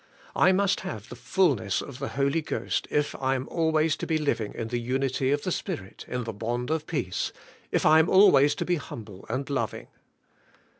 I must have the fullness of the Holy Ghost if I am always to be living in the unity of the Spirit in the bond of peace, if I am always to be humble and lov ing.